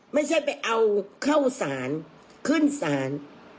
ไม่ใช่ไปเอาเข้าสารขึ้นศาล